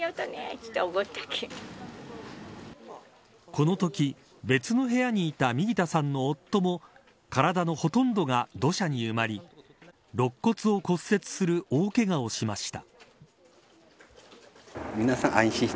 このとき別の部屋にいた右田さんの夫も体のほとんどが土砂に埋まり肋骨を骨折する大けがをしました。